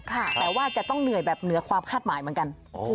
แต่ว่าจะต้องเหนื่อยแบบเหนือความคาดหมายเหมือนกัน